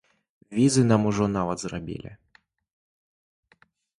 Візы нам ужо нават зрабілі.